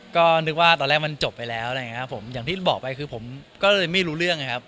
ก็นึกว่าตอนแรกมันจบไปแล้วอะไรอย่างนี้ครับผมอย่างที่บอกไปคือผมก็เลยไม่รู้เรื่องนะครับ